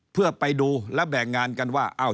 เพื่อไปดูและแบ่งงานกันว่า